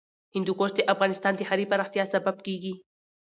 هندوکش د افغانستان د ښاري پراختیا سبب کېږي.